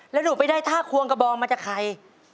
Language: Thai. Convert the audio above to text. แล้วหนูไปได้ท่าควงกระบองมาจากใคร